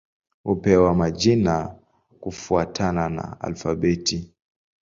Hupewa majina kufuatana na alfabeti.